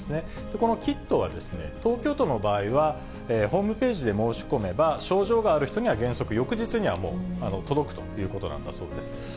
このキットは、東京都の場合はホームページで申し込めば、症状がある人には原則、翌日にはもう届くということなんだそうです。